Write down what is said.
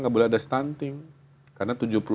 nggak boleh ada stunting karena